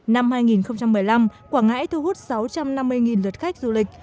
năm hai nghìn một mươi năm quảng ngãi thu hút sáu trăm năm mươi lượt khách du lịch